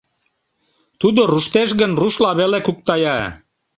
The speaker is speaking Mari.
Тудо руштеш гын, рушла веле куктая.